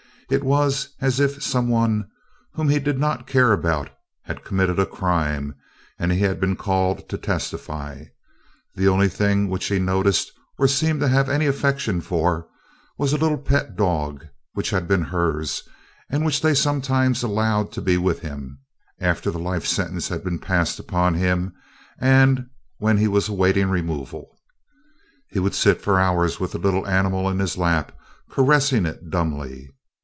It was as if some one whom he did not care about had committed a crime and he had been called to testify. The only thing which he noticed or seemed to have any affection for was a little pet dog which had been hers and which they sometimes allowed to be with him after the life sentence had been passed upon him and when he was awaiting removal. He would sit for hours with the little animal in his lap, caressing it dumbly.